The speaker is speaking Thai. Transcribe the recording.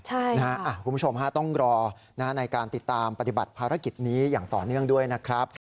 คุณผู้ชมฮะต้องรอในการติดตามปฏิบัติภารกิจนี้อย่างต่อเนื่องด้วยนะครับ